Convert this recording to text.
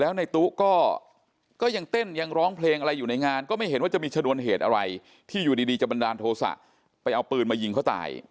แล้วในตู้ก็ยังเต้นยังร้องเพลงอะไรอยู่ในงานก็ไม่เห็นว่าจะมีชนวนเหตุอะไรที่อยู่ดีจะบันดาลโทษะไปเอาปืนมายิงเขาตาย